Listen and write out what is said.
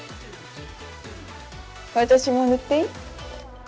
私も塗っていい？